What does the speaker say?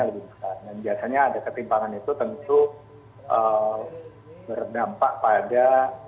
biasanya ada ketimpangan itu tentu berdampak pada